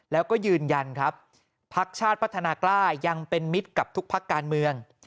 แล้วก็ยืนยันครับภักดิ์ชาติพัฒนากล้ายังเป็นมิตรกับทุกพักการเมือง